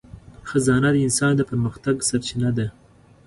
خزانه د انسان د پرمختګ سرچینه ده.